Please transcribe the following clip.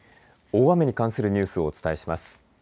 大雨に関するニュースをお伝えします。